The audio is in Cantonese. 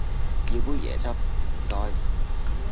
要杯椰汁唔該